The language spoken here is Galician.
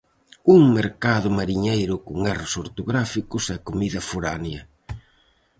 Un mercado mariñeiro con erros ortográficos e comida foránea.